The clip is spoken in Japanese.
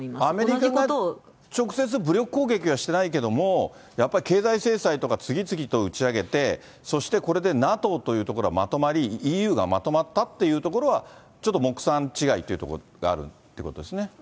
アメリカのことを直接武力攻撃はしてないけれども、やっぱり、経済制裁とか次々と打ち上げて、そしてこれでＮＡＴＯというところはまとまり、ＥＵがまとまったというところは、ちょっと目算違いがあるということですね？